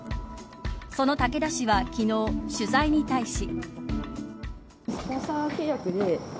その竹田氏が昨日、取材に対し。